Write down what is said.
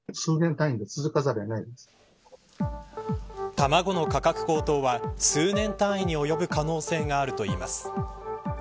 卵の価格高騰は、数年単位に及ぶ可能性があるといいます。